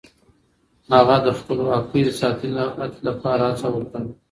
هغه د خپلواکۍ د ساتنې لپاره هڅه وکړه.